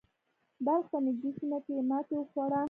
بلخ ته نږدې سیمه کې یې ماتې وخوړه.